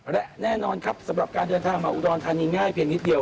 และแน่นอนครับสำหรับการเดินทางมาอุดรธานีง่ายเพียงนิดเดียว